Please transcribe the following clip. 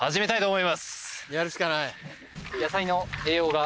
やるしかない。